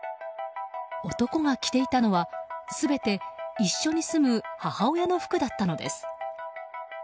男が着ていたのは全て一緒に住む母親の服だったのです。